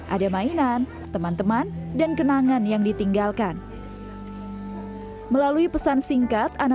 ada mainan teman teman dan kenangan yang ditinggalkan melalui pesan singkat anna